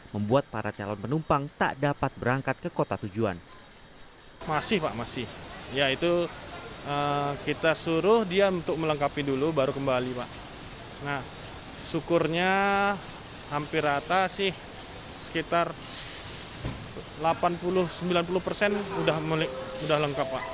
membuat para calon penumpang tak dapat berangkat ke kota tujuan